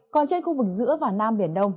còn trên khu vực giữa và nam biển đông